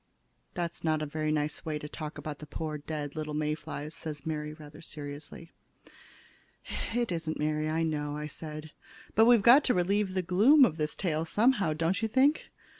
"That's not a very nice way to talk about the poor little dead May flies," said Mary, rather seriously. "It isn't, Mary, I know," said I. "But we've got to relieve the gloom of this tale someway, don't you think?